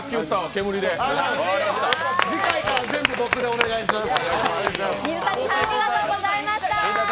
次回から僕でお願いします。